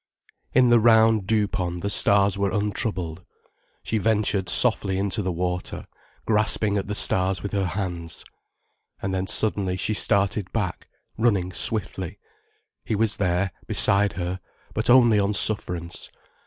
In the round dew pond the stars were untroubled. She ventured softly into the water, grasping at the stars with her hands. And then suddenly she started back, running swiftly. He was there, beside her, but only on sufferance.